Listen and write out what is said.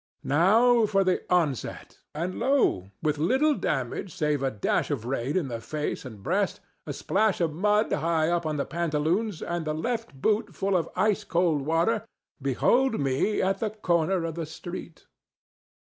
Now for the onset, and, lo! with little damage save a dash of rain in the face and breast, a splash of mud high up the pantaloons and the left boot full of ice cold water, behold me at the corner of the street.